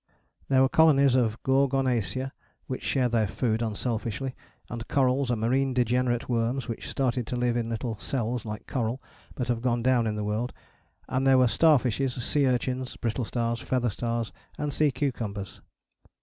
There were colonies of Gorgonacea, which share their food unselfishly; and corals and marine degenerate worms, which started to live in little cells like coral, but have gone down in the world. And there were starfishes, sea urchins, brittle stars, feather stars and sea cucumbers.